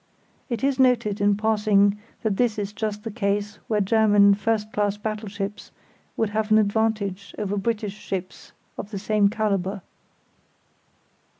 It is noted in passing that this is just the case where German first class battleships would have an advantage over British ships of the same calibre.